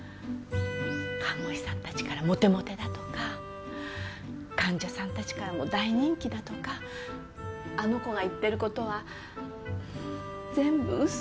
看護師さんたちからモテモテだとか患者さんたちからも大人気だとかあの子が言ってる事は全部嘘。